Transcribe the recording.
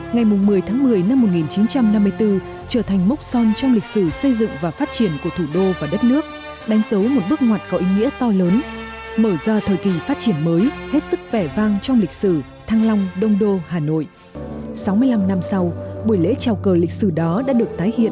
ngày một mươi tháng một mươi năm một nghìn chín trăm năm mươi bốn trở thành mốc son trong lịch sử xây dựng và phát triển của thủ đô và đất nước đánh dấu một bước ngoặt có ý nghĩa to lớn mở ra thời kỳ phát triển mới hết sức vẻ vang trong lịch sử thăng long đông đô hà nội đã được tái hiện